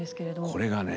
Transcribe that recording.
これがね